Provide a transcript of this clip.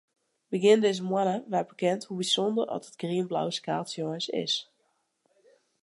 Begjin dizze moanne waard bekend hoe bysûnder as it grienblauwe skaaltsje eins is.